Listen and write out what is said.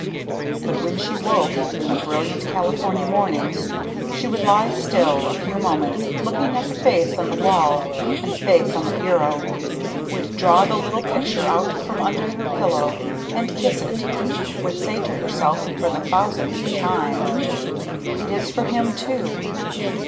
But when she woke, in the brilliant California mornings, she would lie still a few moments looking at the face on the wall and the face on the bureau; would draw the little picture out from under her pillow and kiss it, would say to herself for the thousandth time, "It is for him, too."